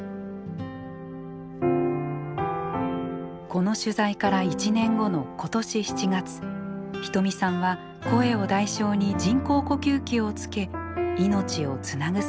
この取材から１年後の今年７月仁美さんは声を代償に人工呼吸器をつけ命をつなぐ選択をしました。